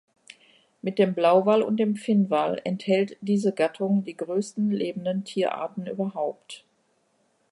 Mit dem Blauwal und dem Finnwal enthält diese Gattung die größten lebenden Tierarten überhaupt.